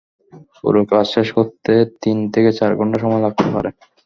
পুরো কাজ শেষ করতে তিন থেকে চার ঘণ্টা সময় লাগতে পারে।